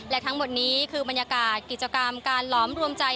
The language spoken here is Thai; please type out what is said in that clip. และทั้งหมดนี้คือบรรยากาศกิจกรรมการหลอมรวมใจ